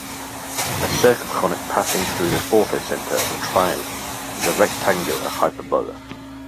A circumconic passing through the orthocenter of a triangle is a rectangular hyperbola.